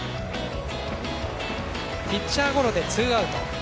ピッチャーゴロでツーアウト。